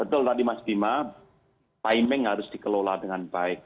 betul tadi mas bima timing harus dikelola dengan baik